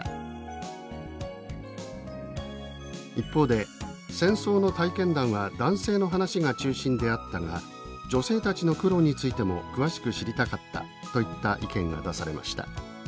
一方で「戦争の体験談は男性の話が中心であったが女性たちの苦労についても詳しく知りたかった」といった意見が出されました。